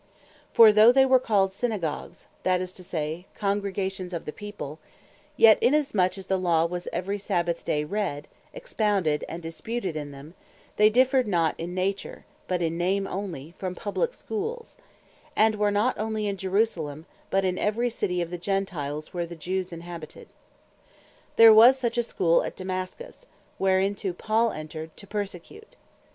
For though they were called Synagogues, that is to say, Congregations of the People; yet in as much as the Law was every Sabbath day read, expounded, and disputed in them, they differed not in nature, but in name onely from Publique Schools; and were not onely in Jerusalem, but in every City of the Gentiles, where the Jews inhabited. There was such a Schoole at Damascus, whereinto Paul entred, to persecute.